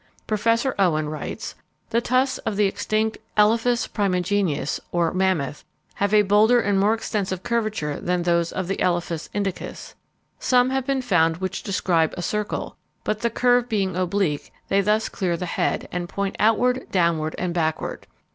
Professor Owen writes: "The tusks of the extinct Elephas primigenius, or mammoth, have a bolder and more extensive curvature than those of the Elephas Indicus. Some have been found which describe a circle, but the curve being oblique, they thus clear the head, and point outward, downward, and backward.